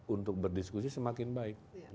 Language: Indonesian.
untuk berdiskusi semakin baik